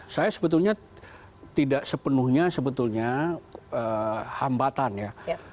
saya sebetulnya tidak sepenuhnya sebetulnya hambatan ya